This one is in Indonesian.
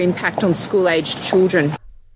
impact yang lebih besar pada anak anak sekolah